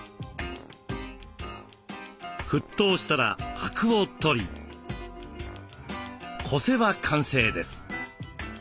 沸騰したらアクを取りこせば完成です。